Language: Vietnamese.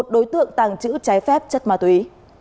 một đối tượng tàng trữ trái phép chất ma túy